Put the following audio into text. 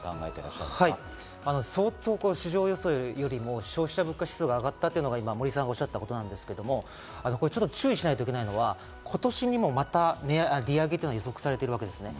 相当市場予想よりも消費者物価指数が上がったというのが今、森さんがおっしゃったことなんですけど、注意しないといけないのは今年にもまた利上げが予測されているわけです。